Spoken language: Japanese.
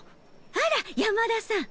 あら山田さん。